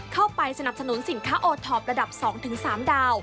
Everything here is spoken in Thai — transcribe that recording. เข้าไปสนับสนุนสินค้าโอทอประดับ๒๓ดาว